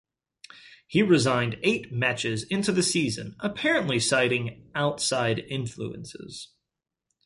He resigned eight matches into the season, apparently citing "outside influences".